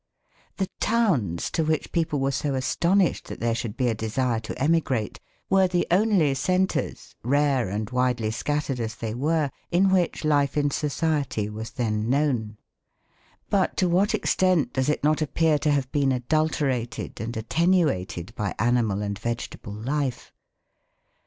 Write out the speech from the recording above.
The towns, to which people were so astonished that there should be a desire to emigrate, were the only centres, rare and widely scattered as they were, in which life in society was then known. But to what extent does it not appear to have been adulterated, and attenuated by animal and vegetable life?